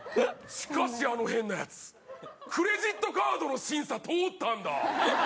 しかし、あの変なヤツ、クレジットカードの審査、通ったんだ。